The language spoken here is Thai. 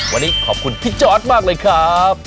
วันนี้ขอบคุณพี่จอร์ดมากเลยครับ